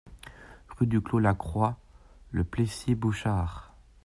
Rue du Clos Lacroix, Le Plessis-Bouchard